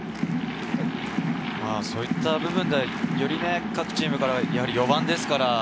そういった部分で各チームからやはり４番ですから。